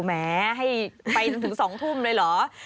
แหมให้ไปถึง๒ทุ่มเลยเหรอ